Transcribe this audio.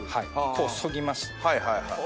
こう削ぎまして。